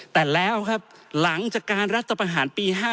แต่แล้วครับหลังจากการรัฐประหารปี๕๗